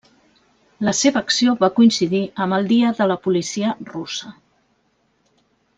La seva acció va coincidir amb el Dia de la Policia Russa.